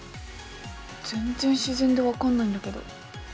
全然自然で分かんないんだけど。